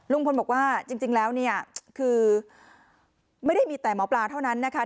ลุงพลบอกว่าจริงแล้วเนี่ยคือไม่ได้มีแต่หมอปลาเท่านั้นนะคะ